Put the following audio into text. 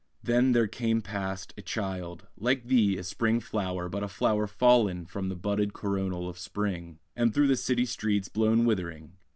Then there came past A child; like thee, a spring flower; but a flower Fallen from the budded coronal of Spring, And through the city streets blown withering.